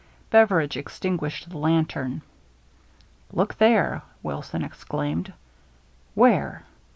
Beveridge extinguished the lantern. " Look there !" Wilson exclaimed. "Where?"